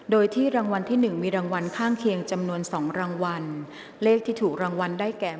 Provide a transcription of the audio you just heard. โดยที่รางวัลที่๑มีรางวัลข้างเคียงจำนวน๒รางวัล